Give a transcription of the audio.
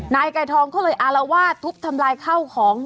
นายไก่ทองก็เลยอารวาสทุบทำลายข้าวของ